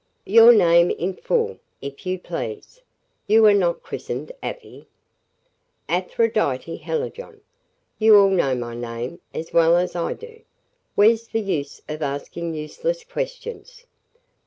"Your name in full, if you please. You were not christened 'Afy'?" "Aphrodite Hallijohn. You all know my name as well as I do. Where's the use of asking useless questions?"